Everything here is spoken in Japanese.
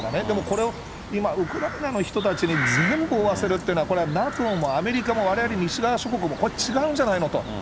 でもこれを今、ウクライナの人たちに全部負わせるっていうのは、これはＮＡＴＯもアメリカもわれわれ、西側諸国も、これ、違うんじゃないのと。